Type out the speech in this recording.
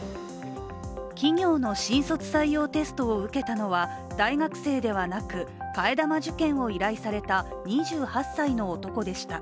企業の新卒採用テストを受けたのは大学生ではなく、替え玉受検を依頼された２８歳の男でした。